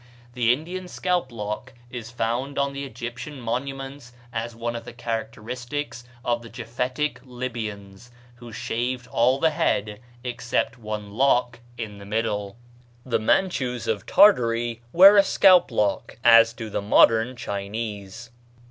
The Indian scalp lock is found on the Egyptian monuments as one of the characteristics of the Japhetic Libyans, who shaved all the head except one lock in the middle. The Mantchoos of Tartary wear a scalp lock, as do the modern Chinese.